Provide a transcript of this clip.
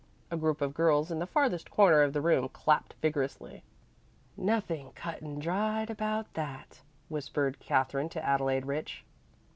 A group of girls in the farthest corner of the room clapped vigorously. "Nothing cut and dried about that," whispered Katherine to Adelaide Rich.